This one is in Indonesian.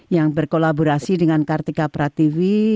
yang berkolaborasi dengan kartika prativi